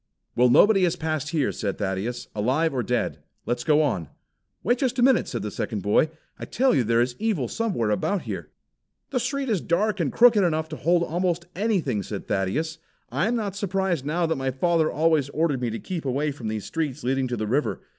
"Well, nobody has passed here," said Thaddeus, "alive or dead. Let's go on!" "Wait just a minute," said the second boy. "I tell you there is evil somewhere about here!" "The street is dark and crooked enough to hold almost anything," said Thaddeus. "I am not surprised now that my father always ordered me to keep away from these streets leading to the river.